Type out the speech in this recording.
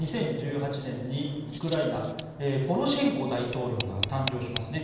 ２０１８年にウクライナはポロシェンコ大統領が誕生しますね。